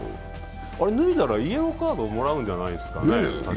あれ脱いだらイエローカードもらうんじゃないですかね？